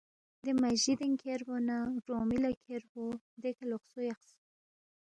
دے مسجدِنگ کھیربو نہ گرونگمی لہ کھیربو دیکھہ لوقسو یقس